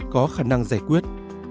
có khả năng giải quyết